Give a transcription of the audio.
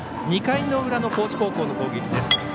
２回の裏の高知高校の攻撃です。